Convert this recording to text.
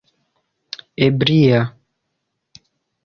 ebria